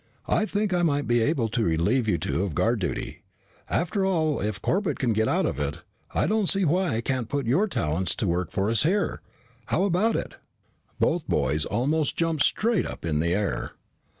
I think I might be able to relieve you two of guard duty. After all, if Corbett can get out of it, I don't see why I can't put your talents to work for us here. How about it?" Both boys almost jumped straight up in the air.